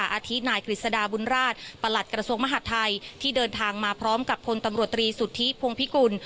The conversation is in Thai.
อาทิตนายกฤษฎาบุญราชประหลัดกระทรวงมหาดไทยที่เดินทางมาพร้อมกับพลตำรวจตรีสุทธิพงภิกุล